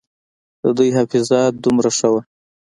د دوى حافظه دومره ښه وه.